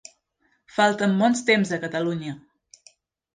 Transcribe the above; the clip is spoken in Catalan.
Falten bons temps a Catalunya.